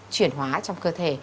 chuyển hóa trong cơ thể